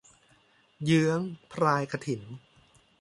เยื้องพรายกฐิน